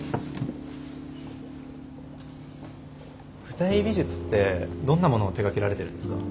舞台美術ってどんなものを手がけられてるんですか？